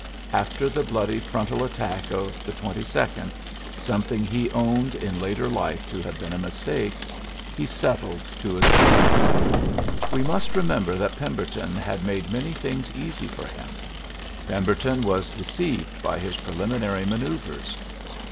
After the bloody frontal attack of the 22d (some thing he owned in later life to have been a mistake), he settled to a si^e. We must remember that Pemberton had made many things easy for him ; Pem berton was deceived by his preliminary manoeuvres.